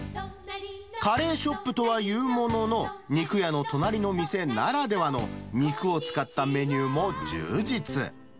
カレーショップとはいうものの、肉屋の隣の店ならではの肉を使ったメニューも充実。